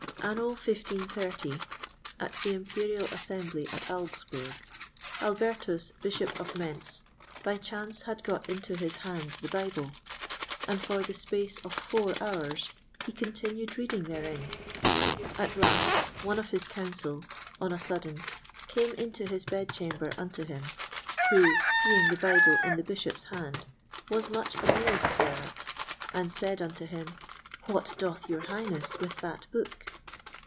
Anno 1530, at the Imperial Assembly at Augsburg, Albertus, Bishop of Mentz, by chance had got into his hands the Bible, and for the space of four hours he continued reading therein; at last, one of his Council on a sudden came into his bed chamber unto him, who, seeing the Bible in the Bishop's hand, was much amazed thereat, and said unto him, "what doth your Highness with that book?"